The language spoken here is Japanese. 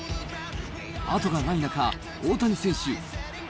後がない中、大谷選手。